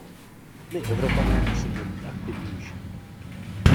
My Evropané musíme být aktivnější.